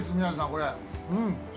これ。